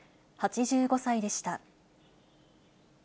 ８５歳でした。